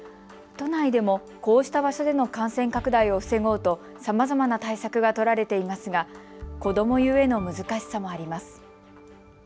都内でもこうした場所での感染拡大を防ごうとさまざまな対策が取られていますが子どもゆえの難しさもあります。